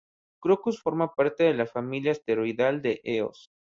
Crocus forma parte de la familia asteroidal de Eos.